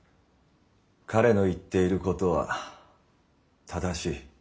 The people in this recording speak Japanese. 彼の言っていることは正しい。